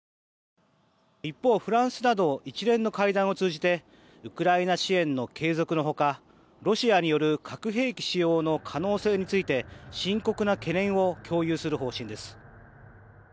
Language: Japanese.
一方、フランスなど一連の会談を通じてウクライナ支援の継続のほかロシアによる核兵器使用の可能性について深刻な懸念を共有する方針です。